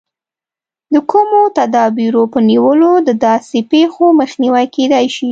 د کومو تدابیرو په نیولو د داسې پېښو مخنیوی کېدای شي.